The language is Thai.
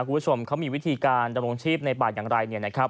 คุณผู้ชมเขามีวิธีการดรมโลงชีพในป่าอย่างไร